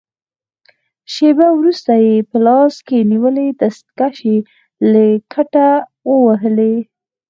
شېبه وروسته يې په لاس کې نیولې دستکشې له کټه ووهلې.